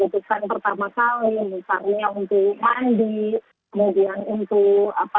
untuk yang pertama kali misalnya untuk mandi kemudian untuk apa untuk baju baju